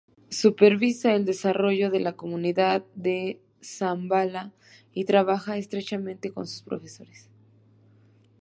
Supervisa el desarrollo de la Comunidad de Shambhala y trabaja estrechamente con sus profesores.